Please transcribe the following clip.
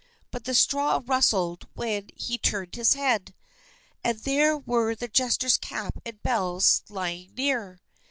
But the straw rustled when he turned his head, and there were the jester's cap and bells lying near.